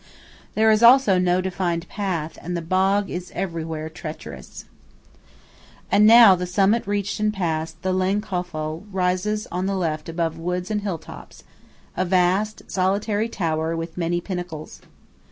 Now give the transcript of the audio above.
There is also no defined path, and the bog is everywhere treacherous. And now, the summit reached and passed, the Lang Kofel rises on the left above woods and hill tops–a vast, solitary tower with many pinnacles.